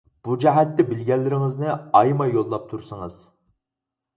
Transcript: بۇ جەھەتتە بىلگەنلىرىڭىزنى ئايىماي يوللاپ تۇرسىڭىز.